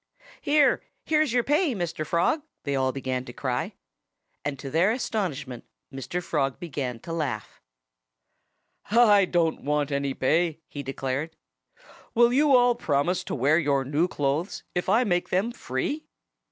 "Here! Here's your pay, Mr. Frog!" they began to cry. And to their astonishment Mr. Frog began to laugh. "I don't want any pay," he declared. "Will you all promise to wear your new clothes if I make them free?"